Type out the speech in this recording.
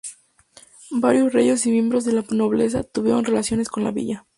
Varios reyes y miembros de la nobleza tuvieron relación con la villa.